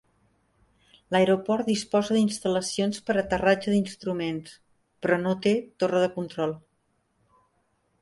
L'aeroport disposa d'instal·lacions per a aterratge d'instruments, però no té Torre de control.